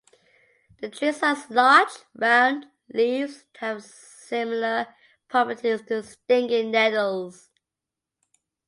The tree has large, round leaves that have similar properties to stinging nettles.